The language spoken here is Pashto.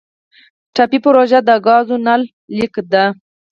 ټاپي پروژه د ګازو نل لیکه ده